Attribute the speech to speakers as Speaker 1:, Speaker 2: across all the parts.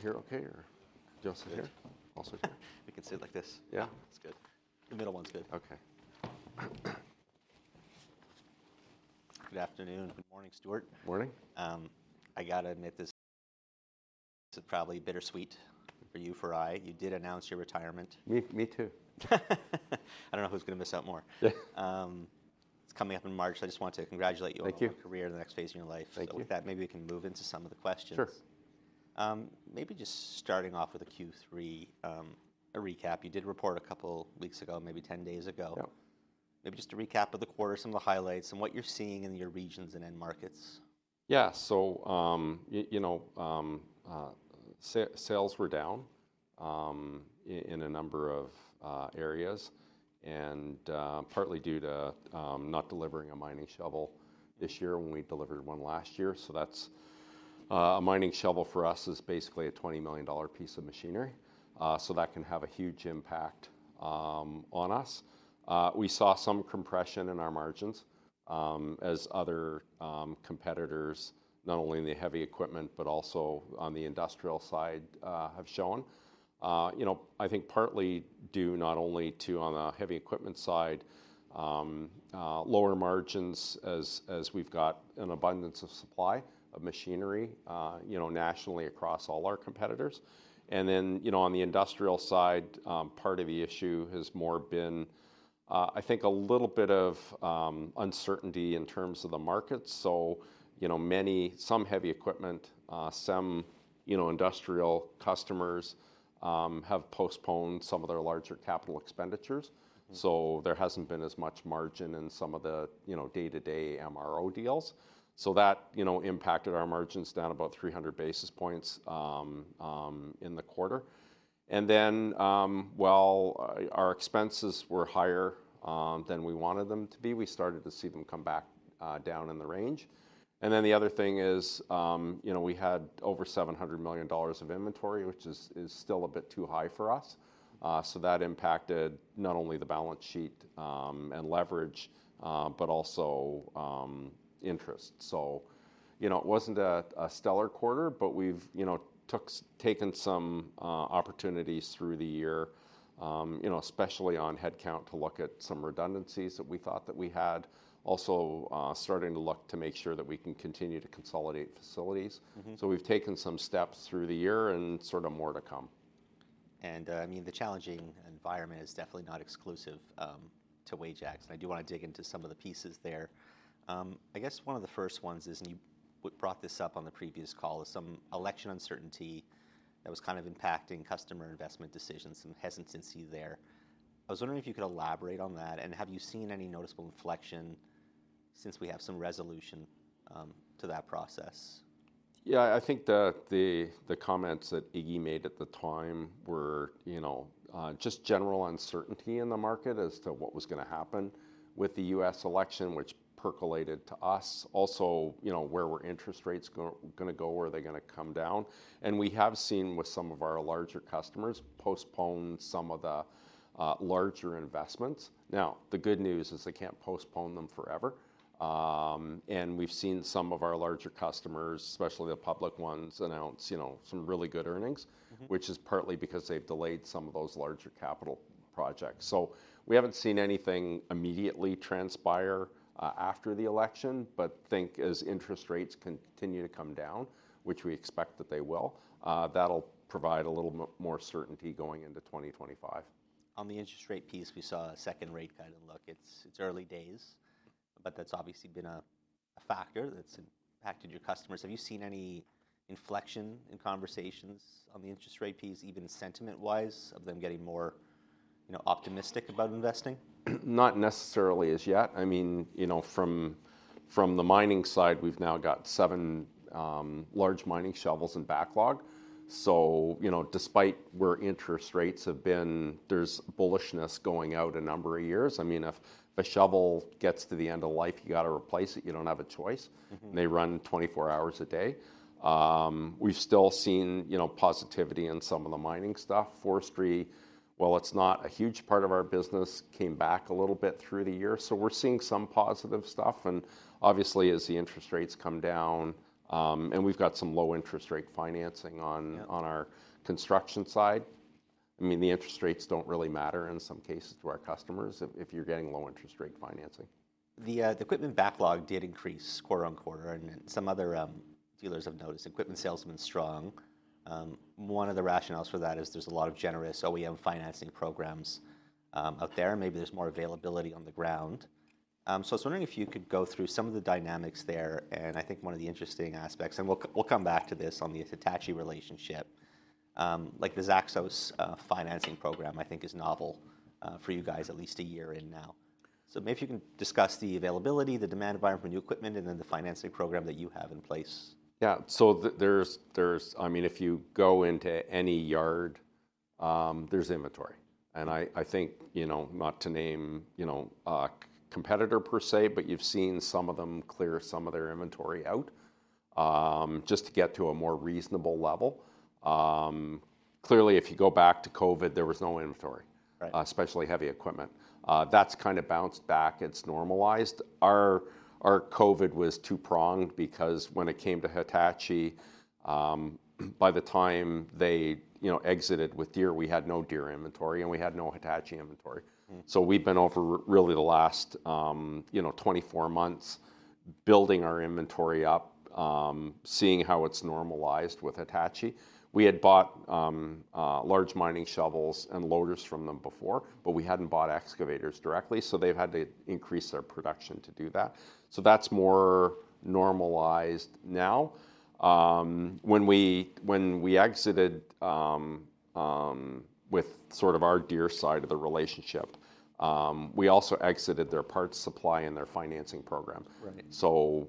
Speaker 1: Here okay, or just here? Just here. Also here? We can sit like this. Yeah? That's good. The middle one's good. Okay. Good afternoon. Good morning, Stuart. Morning. I gotta admit this is probably bittersweet for you, for Iggy. You did announce your retirement. Me, me too. I don't know who's gonna miss out more. Yeah. It's coming up in March. I just want to congratulate you on your career and the next phase of your life. Thank you. So with that, maybe we can move into some of the questions. Sure. Maybe just starting off with a Q3, a recap. You did report a couple weeks ago, maybe 10 days ago. Yep. Maybe just a recap of the quarter, some of the highlights, and what you're seeing in your regions and end markets. Yeah, so, you know, sales were down in a number of areas, and partly due to not delivering a mining shovel this year when we delivered one last year. So that's a mining shovel for us is basically a 20 million dollar piece of machinery. So that can have a huge impact on us. We saw some compression in our margins, as other competitors, not only in the heavy equipment but also on the industrial side, have shown. You know, I think partly due not only to, on the heavy equipment side, lower margins as we've got an abundance of supply of machinery, you know, nationally across all our competitors. Then, you know, on the industrial side, part of the issue has more been, I think, a little bit of uncertainty in terms of the markets. You know, many heavy equipment, you know, industrial customers have postponed some of their larger capital expenditures. Mm-hmm. So there hasn't been as much margin in some of the, you know, day-to-day MRO deals. So that, you know, impacted our margins down about 300 basis points in the quarter. And then, well, our expenses were higher than we wanted them to be. We started to see them come back down in the range. And then the other thing is, you know, we had over 700 million dollars of inventory, which is still a bit too high for us. So that impacted not only the balance sheet and leverage, but also interest. So, you know, it wasn't a stellar quarter, but we've, you know, taken some opportunities through the year, you know, especially on headcount to look at some redundancies that we thought that we had. Also, starting to look to make sure that we can continue to consolidate facilities. Mm-hmm. So we've taken some steps through the year and sort of more to come. I mean, the challenging environment is definitely not exclusive to Wajax. I do wanna dig into some of the pieces there. I guess one of the first ones is, and you brought this up on the previous call, is some election uncertainty that was kind of impacting customer investment decisions, some hesitancy there. I was wondering if you could elaborate on that, and have you seen any noticeable inflection since we have some resolution to that process? Yeah, I think the comments that Iggy made at the time were, you know, just general uncertainty in the market as to what was gonna happen with the U.S. election, which percolated to us. Also, you know, where interest rates were gonna go, were they gonna come down? And we have seen with some of our larger customers postpone some of the larger investments. Now, the good news is they can't postpone them forever, and we've seen some of our larger customers, especially the public ones, announce, you know, some really good earnings. Mm-hmm. Which is partly because they've delayed some of those larger capital projects. So we haven't seen anything immediately transpire, after the election, but think as interest rates continue to come down, which we expect that they will, that'll provide a little more certainty going into 2025. On the interest rate piece, we saw a second rate cut and look, it's early days, but that's obviously been a factor that's impacted your customers. Have you seen any inflection in conversations on the interest rate piece, even sentiment-wise, of them getting more, you know, optimistic about investing? Not necessarily as yet. I mean, you know, from the mining side, we've now got seven large mining shovels in backlog. So, you know, despite where interest rates have been, there's bullishness going out a number of years. I mean, if a shovel gets to the end of life, you gotta replace it. You don't have a choice. Mm-hmm. They run 24 hours a day. We've still seen, you know, positivity in some of the mining stuff. Forestry, while it's not a huge part of our business, came back a little bit through the year. We're seeing some positive stuff. Obviously, as the interest rates come down, and we've got some low interest rate financing on. Yeah. On our construction side. I mean, the interest rates don't really matter in some cases to our customers if you're getting low interest rate financing. The equipment backlog did increase quarter on quarter, and some other dealers have noticed equipment sales have been strong. One of the rationales for that is there's a lot of generous OEM financing programs out there, and maybe there's more availability on the ground, so I was wondering if you could go through some of the dynamics there. I think one of the interesting aspects, and we'll come back to this on the Hitachi relationship, like the ZAXIS financing program, I think is novel for you guys at least a year in now. Maybe if you can discuss the availability, the demand environment for new equipment, and then the financing program that you have in place. Yeah, so there's, I mean, if you go into any yard, there's inventory. And I think, you know, not to name, you know, a competitor per se, but you've seen some of them clear some of their inventory out, just to get to a more reasonable level. Clearly, if you go back to COVID, there was no inventory. Right. especially heavy equipment. That's kinda bounced back. It's normalized. Our COVID was two-pronged because when it came to Hitachi, by the time they, you know, exited with Deere, we had no Deere inventory, and we had no Hitachi inventory. Mm-hmm. So we've been over really the last, you know, 24 months building our inventory up, seeing how it's normalized with Hitachi. We had bought large mining shovels and loaders from them before, but we hadn't bought excavators directly, so they've had to increase their production to do that. So that's more normalized now. When we exited with sort of our Deere side of the relationship, we also exited their parts supply and their financing program. Right. So,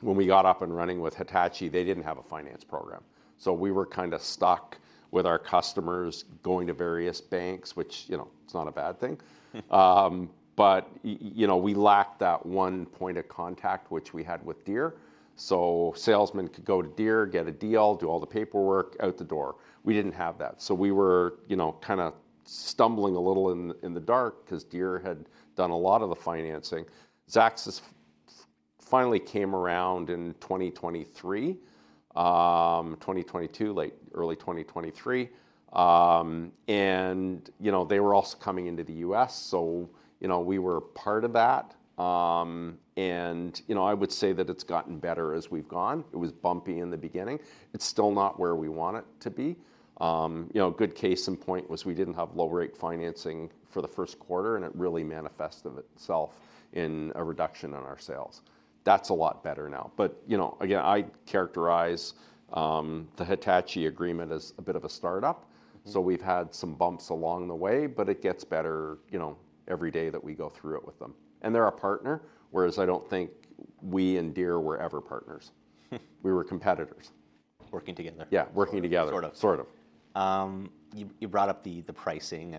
Speaker 1: when we got up and running with Hitachi, they didn't have a finance program. So we were kinda stuck with our customers going to various banks, which, you know, it's not a bad thing. Mm-hmm. But you know, we lacked that one point of contact, which we had with Deere. So salesmen could go to Deere, get a deal, do all the paperwork, out the door. We didn't have that. So we were, you know, kinda stumbling a little in the dark 'cause Deere had done a lot of the financing. ZAXIS finally came around in 2023, 2022, late early 2023. And you know, they were also coming into the U.S., so you know, we were part of that. And you know, I would say that it's gotten better as we've gone. It was bumpy in the beginning. It's still not where we want it to be. You know, good case in point was we didn't have low rate financing for the first quarter, and it really manifested itself in a reduction in our sales. That's a lot better now. But you know, again, I characterize the Hitachi agreement as a bit of a startup. Mm-hmm. So we've had some bumps along the way, but it gets better, you know, every day that we go through it with them. And they're a partner, whereas I don't think we and Deere were ever partners. We were competitors. Working together. Yeah, working together. Sort of. Sort of. You brought up the pricing. I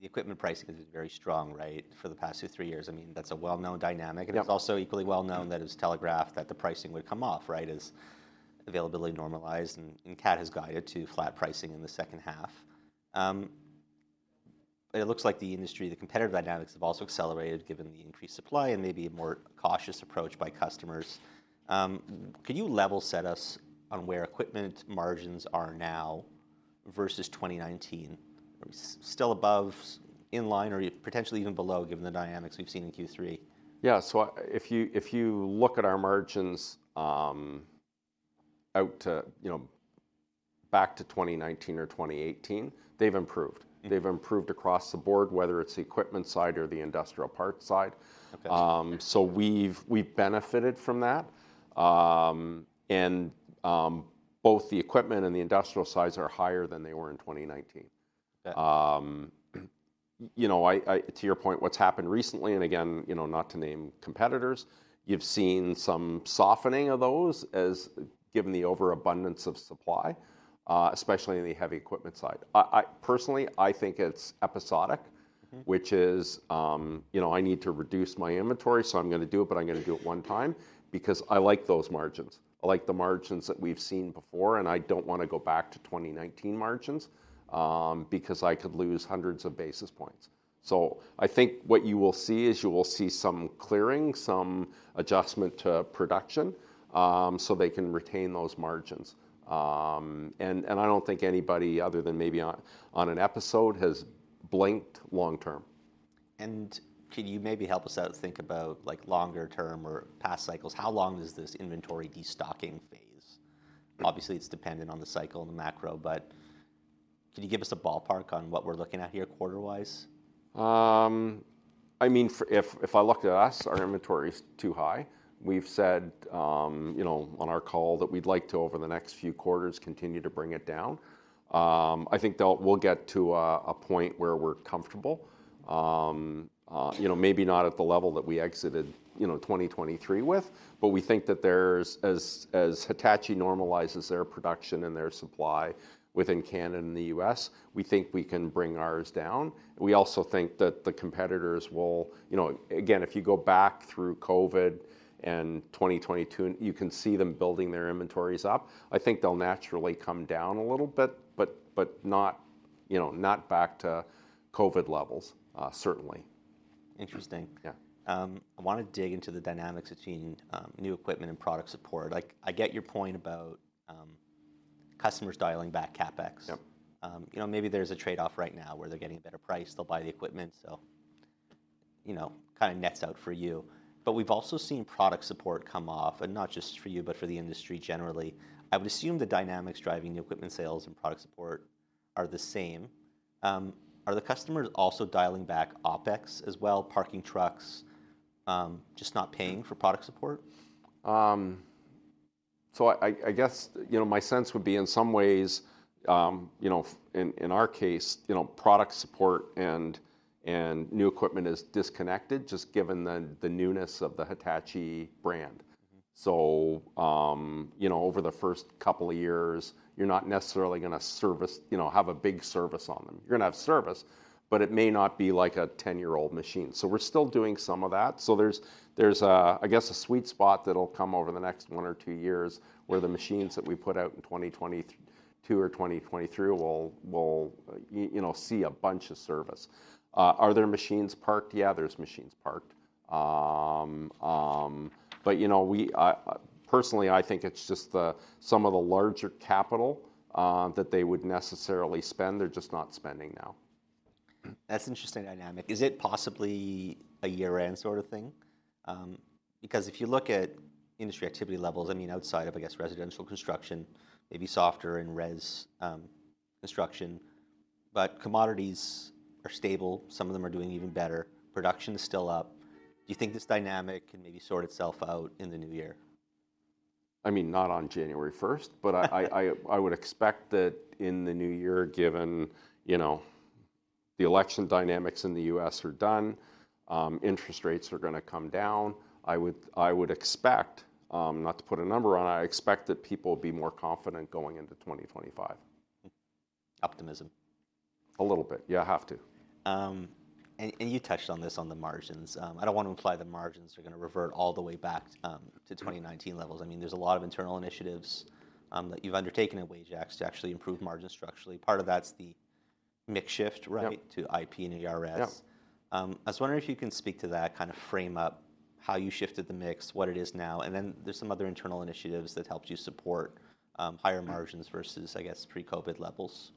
Speaker 1: mean, the equipment pricing has been very strong, right, for the past two, three years. I mean, that's a well-known dynamic. Yeah. It's also equally well-known that it was telegraphed that the pricing would come off, right, as availability normalized, and Cat has guided to flat pricing in the second half. It looks like the industry, the competitive dynamics have also accelerated given the increased supply and maybe a more cautious approach by customers. Could you level set us on where equipment margins are now versus 2019? Are we still above in line or potentially even below given the dynamics we've seen in Q3? Yeah, so if you look at our margins, you know, back to 2019 or 2018, they've improved. Mm-hmm. They've improved across the board, whether it's the equipment side or the industrial parts side. Okay. We've benefited from that. Both the equipment and the industrial sides are higher than they were in 2019. Okay. You know, to your point, what's happened recently, and again, you know, not to name competitors, you've seen some softening of those as given the overabundance of supply, especially in the heavy equipment side. I personally think it's episodic. Mm-hmm. Which is, you know, I need to reduce my inventory, so I'm gonna do it, but I'm gonna do it one time because I like those margins. I like the margins that we've seen before, and I don't wanna go back to 2019 margins, because I could lose hundreds of basis points. So I think what you will see is you will see some clearing, some adjustment to production, so they can retain those margins, and I don't think anybody other than maybe on an episode has blinked long-term. Can you maybe help us out to think about, like, longer term or past cycles? How long is this inventory destocking phase? Obviously, it's dependent on the cycle and the macro, but can you give us a ballpark on what we're looking at here quarter-wise? I mean, if I look at us, our inventory's too high. We've said, you know, on our call that we'd like to, over the next few quarters, continue to bring it down. I think we'll get to a point where we're comfortable. You know, maybe not at the level that we exited, you know, 2023 with, but we think that there's as Hitachi normalizes their production and their supply within Canada and the U.S., we think we can bring ours down. We also think that the competitors will, you know, again, if you go back through COVID and 2022, you can see them building their inventories up. I think they'll naturally come down a little bit, but not, you know, not back to COVID levels, certainly. Interesting. Yeah. I wanna dig into the dynamics between new equipment and product support. I get your point about customers dialing back CapEx. Yep. You know, maybe there's a trade-off right now where they're getting a better price. They'll buy the equipment, so, you know, kinda nets out for you. But we've also seen product support come off, and not just for you, but for the industry generally. I would assume the dynamics driving new equipment sales and product support are the same. Are the customers also dialing back OpEx as well, parking trucks, just not paying for product support? So, I guess, you know, my sense would be in some ways, you know, in our case, you know, product support and new equipment is disconnected just given the newness of the Hitachi brand. Mm-hmm. So, you know, over the first couple of years, you're not necessarily gonna service, you know, have a big service on them. You're gonna have service, but it may not be like a 10-year-old machine. So we're still doing some of that. So there's a, I guess, a sweet spot that'll come over the next one or two years where the machines that we put out in 2022 or 2023 will, you know, see a bunch of service. Are there machines parked? Yeah, there's machines parked. But, you know, we, personally, I think it's just the, some of the larger capital, that they would necessarily spend. They're just not spending now. That's an interesting dynamic. Is it possibly a year-end sort of thing? Because if you look at industry activity levels, I mean, outside of, I guess, residential construction, maybe softer in res construction, but commodities are stable. Some of them are doing even better. Production's still up. Do you think this dynamic can maybe sort itself out in the new year? I mean, not on January 1st, but I would expect that in the new year, given, you know, the election dynamics in the U.S. are done, interest rates are gonna come down. I would expect, not to put a number on it, I expect that people will be more confident going into 2025. Optimism. A little bit. Yeah, I have to. You touched on this on the margins. I don't wanna imply the margins are gonna revert all the way back to 2019 levels. I mean, there's a lot of internal initiatives that you've undertaken at Wajax to actually improve margins structurally. Part of that's the mix shift, right? Yeah. To IP and ERS. Yep. I was wondering if you can speak to that, kinda frame up how you shifted the mix, what it is now, and then there's some other internal initiatives that helped you support, higher margins versus, I guess, pre-COVID levels?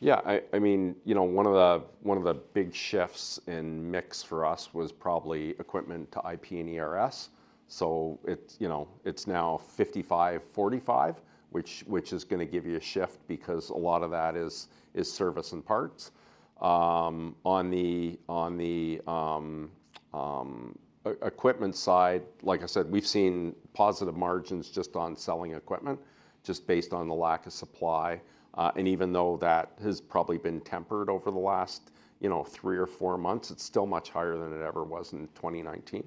Speaker 1: Yeah, I mean, you know, one of the big shifts in mix for us was probably equipment to IP and ERS. So, you know, it's now 55/45, which is gonna give you a shift because a lot of that is service and parts. On the equipment side, like I said, we've seen positive margins just on selling equipment just based on the lack of supply, and even though that has probably been tempered over the last, you know, three or four months, it's still much higher than it ever was in 2019.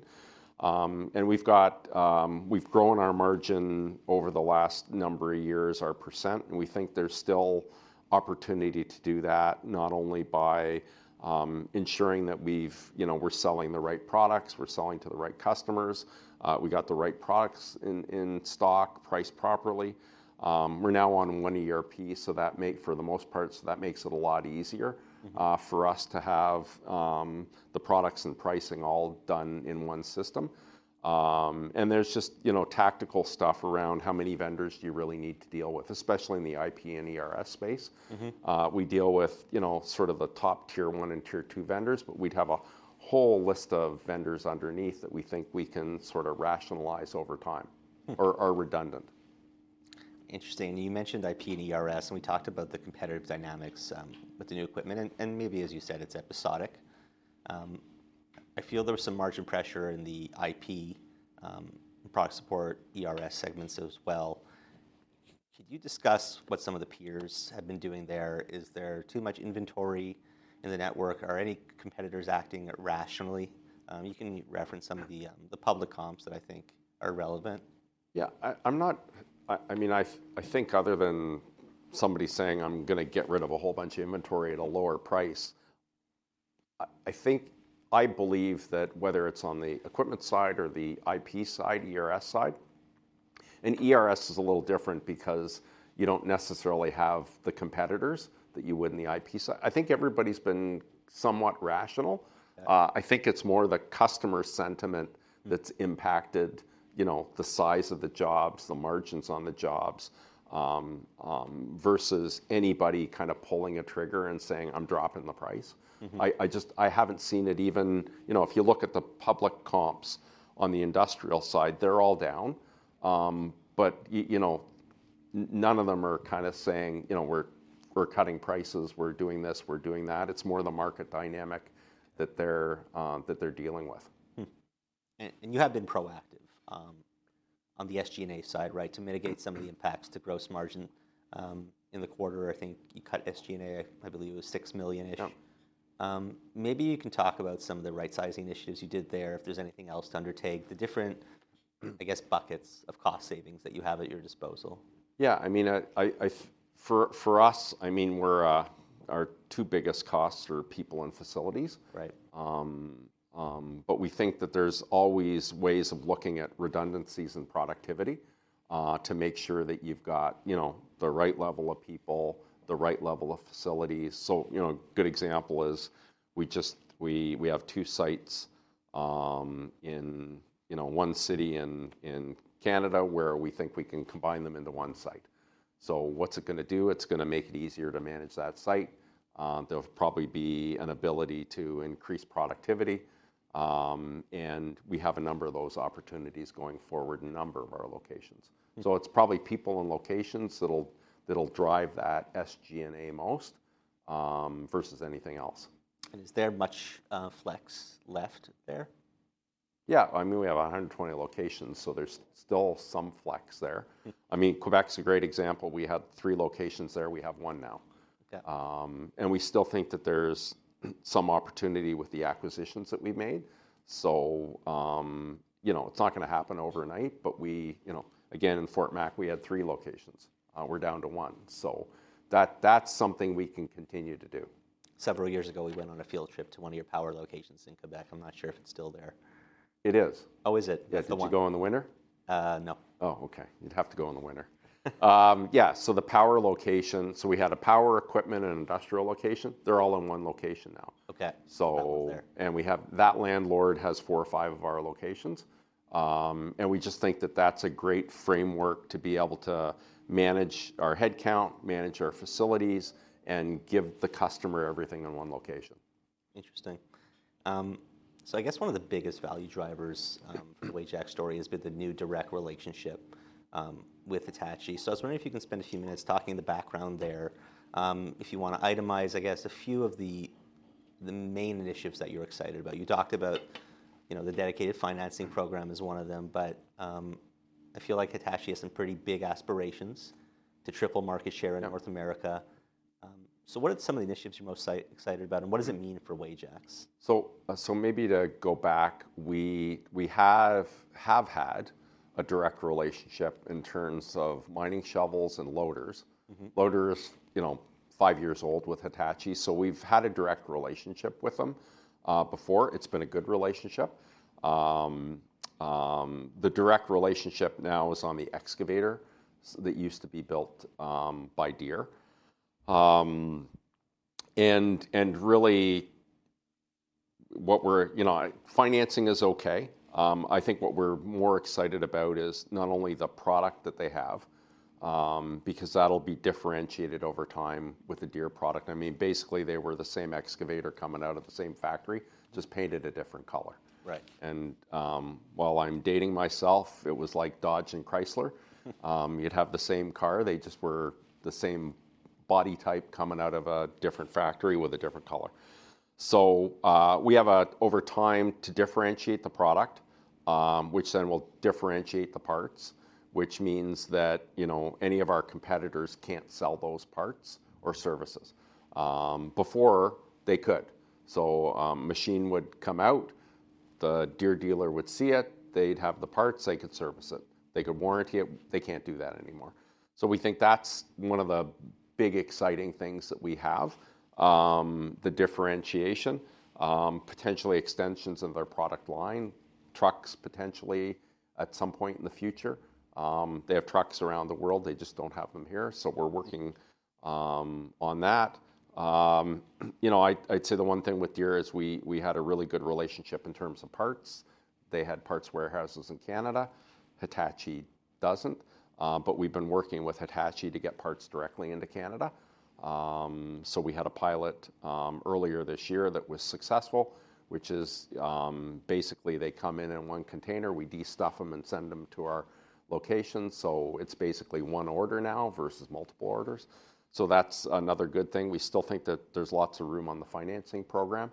Speaker 1: and we've grown our margin over the last number of years, our percent, and we think there's still opportunity to do that not only by ensuring that we've, you know, we're selling the right products, we're selling to the right customers, we got the right products in stock, priced properly. We're now on one ERP, so that makes, for the most part, it a lot easier. Mm-hmm. For us to have the products and pricing all done in one system, and there's just, you know, tactical stuff around how many vendors do you really need to deal with, especially in the IP and ERS space. Mm-hmm. We deal with, you know, sort of the top tier one and tier two vendors, but we'd have a whole list of vendors underneath that we think we can sort of rationalize over time or are redundant. Interesting. And you mentioned IP and ERS, and we talked about the competitive dynamics, with the new equipment, and maybe, as you said, it's episodic. I feel there was some margin pressure in the IP, product support, ERS segments as well. Could you discuss what some of the peers have been doing there? Is there too much inventory in the network? Are any competitors acting rationally? You can reference some of the public comps that I think are relevant. Yeah, I'm not. I mean, I think other than somebody saying, "I'm gonna get rid of a whole bunch of inventory at a lower price," I think I believe that whether it's on the equipment side or the IP side, ERS side, and ERS is a little different because you don't necessarily have the competitors that you would in the IP side. I think everybody's been somewhat rational. Yeah. I think it's more the customer sentiment that's impacted, you know, the size of the jobs, the margins on the jobs, versus anybody kinda pulling a trigger and saying, "I'm dropping the price. Mm-hmm. I just haven't seen it even, you know, if you look at the public comps on the industrial side, they're all down, but you know, none of them are kinda saying, you know, "We're cutting prices. We're doing this. We're doing that." It's more the market dynamic that they're dealing with. You have been proactive on the SG&A side, right, to mitigate some of the impacts to gross margin in the quarter. I think you cut SG&A. I believe it was 6 million-ish. Yep. Maybe you can talk about some of the right-sizing initiatives you did there, if there's anything else to undertake the different, I guess, buckets of cost savings that you have at your disposal. Yeah, I mean, for us, I mean, our two biggest costs are people and facilities. Right. But we think that there's always ways of looking at redundancies and productivity, to make sure that you've got, you know, the right level of people, the right level of facilities. So, you know, a good example is we just have two sites in you know one city in Canada where we think we can combine them into one site. So what's it gonna do? It's gonna make it easier to manage that site. There'll probably be an ability to increase productivity. And we have a number of those opportunities going forward in a number of our locations. So it's probably people and locations that'll drive that SG&A most, versus anything else. Is there much flex left there? Yeah, I mean, we have 120 locations, so there's still some flex there. I mean, Quebec's a great example. We had three locations there. We have one now. Okay. And we still think that there's some opportunity with the acquisitions that we've made. So, you know, it's not gonna happen overnight, but we, you know, again, in Fort Mac, we had three locations. We're down to one. So that, that's something we can continue to do. Several years ago, we went on a field trip to one of your power locations in Quebec. I'm not sure if it's still there. It is. Oh, is it? You have to go in the winter? no. Oh, okay. You'd have to go in the winter. Yeah, so the power location, so we had a power equipment and industrial location. They're all in one location now. Okay. So. That's there. And we have that landlord has four or five of our locations, and we just think that that's a great framework to be able to manage our headcount, manage our facilities, and give the customer everything in one location. Interesting. So I guess one of the biggest value drivers for the Wajax story has been the new direct relationship with Hitachi. So I was wondering if you can spend a few minutes talking in the background there, if you wanna itemize, I guess, a few of the main initiatives that you're excited about. You talked about, you know, the dedicated financing program as one of them, but I feel like Hitachi has some pretty big aspirations to triple market share in North America. Yeah. So what are some of the initiatives you're most excited about, and what does it mean for Wajax? Maybe to go back, we have had a direct relationship in terms of mining shovels and loaders. Mm-hmm. Loaders, you know, five years old with Hitachi. So we've had a direct relationship with them before. It's been a good relationship. The direct relationship now is on the excavator that used to be built by Deere, and really what we're, you know, financing is okay. I think what we're more excited about is not only the product that they have, because that'll be differentiated over time with the Deere product. I mean, basically, they were the same excavator coming out of the same factory, just painted a different color. Right. While I'm dating myself, it was like Dodge and Chrysler. Mm-hmm. You'd have the same car. They just were the same body type coming out of a different factory with a different color. So, we have, over time, to differentiate the product, which then will differentiate the parts, which means that, you know, any of our competitors can't sell those parts or services. Before, they could. So, machine would come out, the Deere dealer would see it, they'd have the parts, they could service it, they could warranty it. They can't do that anymore. So we think that's one of the big exciting things that we have, the differentiation, potentially extensions of their product line, trucks potentially at some point in the future. They have trucks around the world. They just don't have them here. So we're working on that. You know, I'd say the one thing with Deere is we had a really good relationship in terms of parts. They had parts warehouses in Canada. Hitachi doesn't. But we've been working with Hitachi to get parts directly into Canada. So we had a pilot earlier this year that was successful, which is basically they come in one container, we de-stuff them and send them to our location. So it's basically one order now versus multiple orders. So that's another good thing. We still think that there's lots of room on the financing program.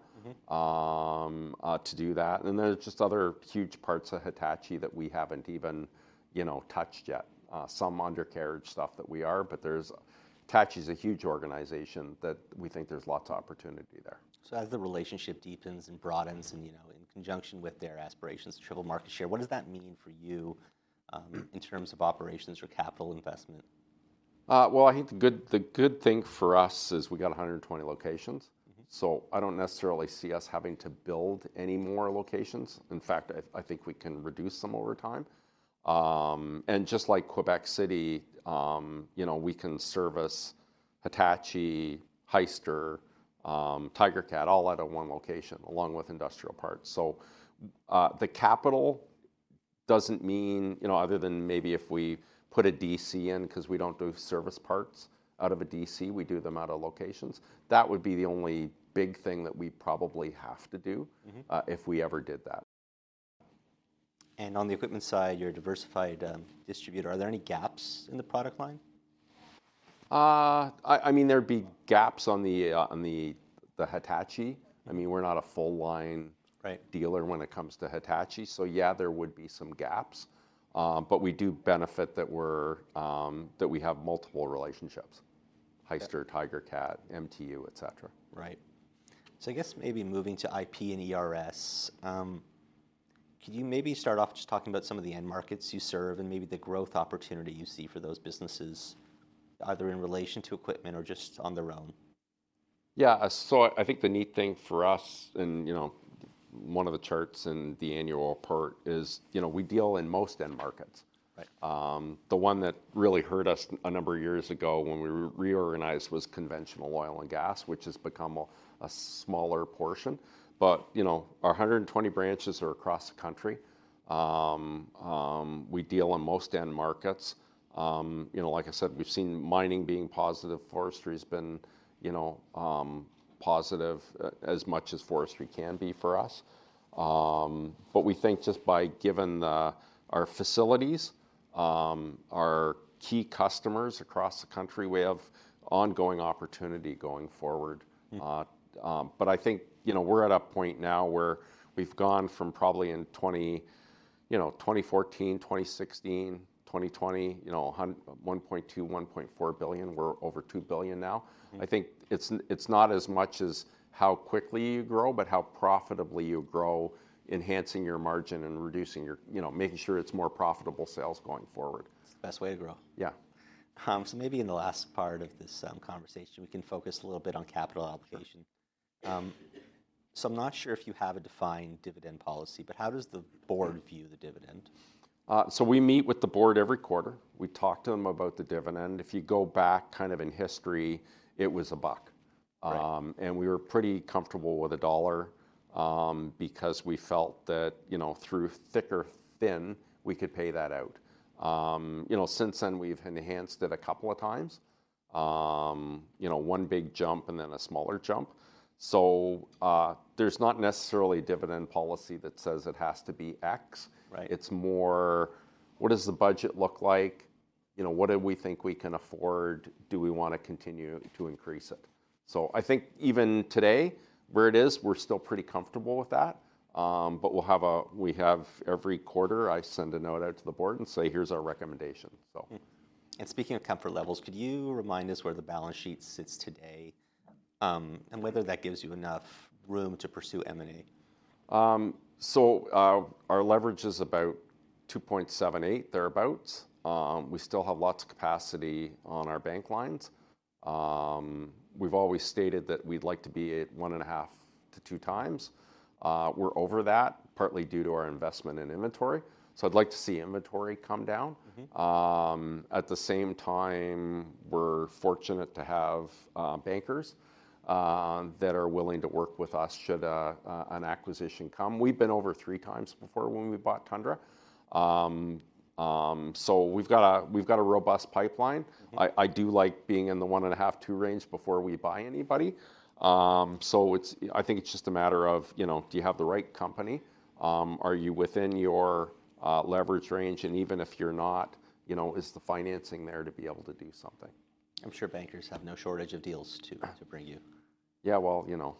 Speaker 1: Mm-hmm. To do that. And there's just other huge parts of Hitachi that we haven't even, you know, touched yet. Some undercarriage stuff that we are, but there's Hitachi's a huge organization that we think there's lots of opportunity there. So as the relationship deepens and broadens and, you know, in conjunction with their aspirations to triple market share, what does that mean for you, in terms of operations or capital investment? Well, I think the good thing for us is we got 120 locations. Mm-hmm. So I don't necessarily see us having to build any more locations. In fact, I think we can reduce some over time. And just like Quebec City, you know, we can service Hitachi, Hyster, Tigercat, all out of one location along with industrial parts. So, the capital doesn't mean, you know, other than maybe if we put a DC in 'cause we don't do service parts out of a DC, we do them out of locations. That would be the only big thing that we probably have to do. Mm-hmm. if we ever did that. And on the equipment side, you're a diversified distributor. Are there any gaps in the product line? I mean, there'd be gaps on the Hitachi. I mean, we're not a full-line. Right. Dealer when it comes to Hitachi. So yeah, there would be some gaps. But we do benefit that we're, that we have multiple relationships: Hyster, Tigercat, MTU, etc. Right. So I guess maybe moving to IP and ERS, could you maybe start off just talking about some of the end markets you serve and maybe the growth opportunity you see for those businesses, either in relation to equipment or just on their own? Yeah, so I think the neat thing for us in, you know, one of the charts in the annual report is, you know, we deal in most end markets. Right. The one that really hurt us a number of years ago when we reorganized was conventional oil and gas, which has become a smaller portion, but you know, our 120 branches are across the country. We deal in most end markets. You know, like I said, we've seen mining being positive. Forestry's been, you know, positive as much as forestry can be for us, but we think just by, given the our facilities, our key customers across the country, we have ongoing opportunity going forward. Mm-hmm. But I think, you know, we're at a point now where we've gone from probably in 20, you know, 2014, 2016, 2020, you know, CAD 1 billion, 1.2 billion, 1.4 billion. We're over 2 billion now. Mm-hmm. I think it's not as much as how quickly you grow, but how profitably you grow, enhancing your margin and reducing your, you know, making sure it's more profitable sales going forward. It's the best way to grow. Yeah. So maybe in the last part of this conversation, we can focus a little bit on capital allocation. Mm-hmm. So, I'm not sure if you have a defined dividend policy, but how does the board view the dividend? So we meet with the board every quarter. We talk to them about the dividend. If you go back kind of in history, it was a buck. Right. and we were pretty comfortable with a dollar, because we felt that, you know, through thick or thin, we could pay that out. You know, since then, we've enhanced it a couple of times. You know, one big jump and then a smaller jump. So, there's not necessarily a dividend policy that says it has to be X. Right. It's more, what does the budget look like? You know, what do we think we can afford? Do we wanna continue to increase it? So I think even today, where it is, we're still pretty comfortable with that. But we'll have a, we have every quarter, I send a note out to the board and say, "Here's our recommendation." So. Speaking of comfort levels, could you remind us where the balance sheet sits today, and whether that gives you enough room to pursue M&A? Our leverage is about 2.78, thereabouts. We still have lots of capacity on our bank lines. We've always stated that we'd like to be at one and a half to two times. We're over that, partly due to our investment in inventory. I'd like to see inventory come down. Mm-hmm. At the same time, we're fortunate to have bankers that are willing to work with us should an acquisition come. We've been over three times before when we bought Tundra, so we've got a robust pipeline. Mm-hmm. I do like being in the one and a half, two range before we buy anybody. So it's, I think it's just a matter of, you know, do you have the right company? Are you within your leverage range? And even if you're not, you know, is the financing there to be able to do something? I'm sure bankers have no shortage of deals to bring you. Yeah, well, you know,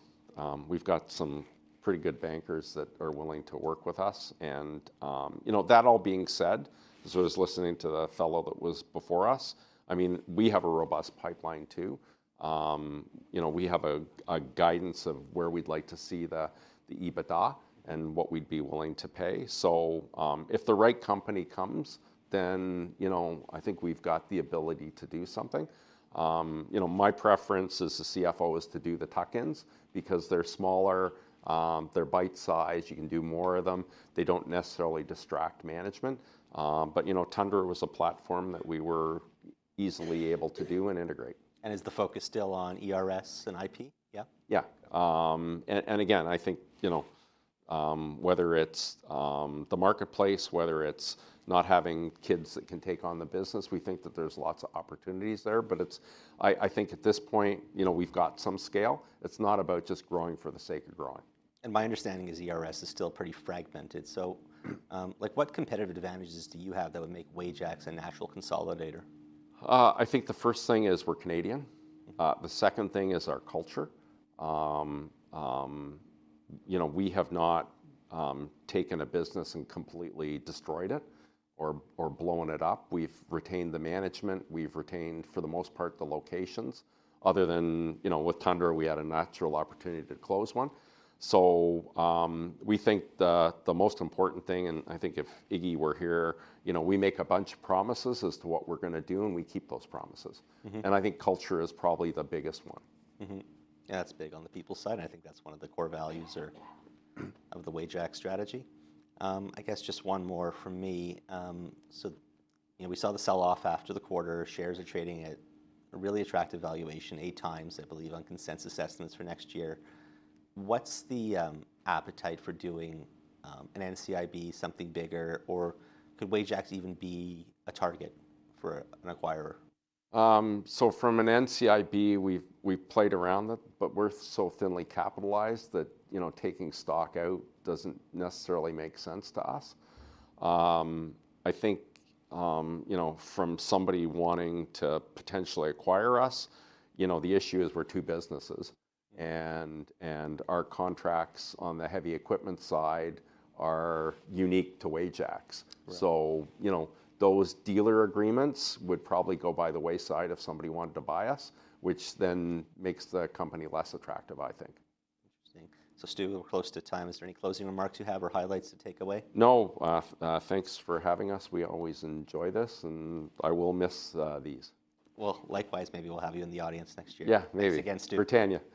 Speaker 1: we've got some pretty good bankers that are willing to work with us. And, you know, that all being said, as I was listening to the fellow that was before us, I mean, we have a robust pipeline too. You know, we have a guidance of where we'd like to see the EBITDA and what we'd be willing to pay. So, if the right company comes, then, you know, I think we've got the ability to do something. You know, my preference as the CFO is to do the tuck-ins because they're smaller, they're bite-sized. You can do more of them. They don't necessarily distract management. But, you know, Tundra was a platform that we were easily able to do and integrate. Is the focus still on ERS and IP? Yeah? Yeah. And again, I think, you know, whether it's the marketplace, whether it's not having kids that can take on the business, we think that there's lots of opportunities there. But it's, I think at this point, you know, we've got some scale. It's not about just growing for the sake of growing. And my understanding is ERS is still pretty fragmented. So, like, what competitive advantages do you have that would make Wajax a natural consolidator? I think the first thing is we're Canadian. Mm-hmm. The second thing is our culture. You know, we have not taken a business and completely destroyed it or blown it up. We've retained the management. We've retained, for the most part, the locations. Other than, you know, with Tundra, we had a natural opportunity to close one. So, we think the most important thing, and I think if Iggy were here, you know, we make a bunch of promises as to what we're gonna do, and we keep those promises. Mm-hmm. I think culture is probably the biggest one. Mm-hmm. Yeah, that's big on the people side. And I think that's one of the core values of the Wajax strategy. I guess just one more from me. So, you know, we saw the sell-off after the quarter. Shares are trading at a really attractive valuation, eight times, I believe, on consensus estimates for next year. What's the appetite for doing an NCIB, something bigger, or could Wajax even be a target for an acquirer? So from an NCIB, we've played around it, but we're so thinly capitalized that, you know, taking stock out doesn't necessarily make sense to us. I think, you know, from somebody wanting to potentially acquire us, you know, the issue is we're two businesses. Mm-hmm. Our contracts on the heavy equipment side are unique to Wajax. Right. So, you know, those dealer agreements would probably go by the wayside if somebody wanted to buy us, which then makes the company less attractive, I think. Interesting. So, Stu, we're close to time. Is there any closing remarks you have or highlights to take away? No, thanks for having us. We always enjoy this, and I will miss these. Likewise, maybe we'll have you in the audience next year. Yeah, maybe. Thanks again, Stu. Good on ya.